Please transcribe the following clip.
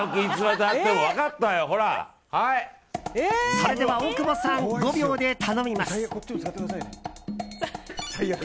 それでは大久保さん５秒で頼みます。